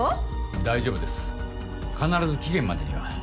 大丈夫です必ず期限までには。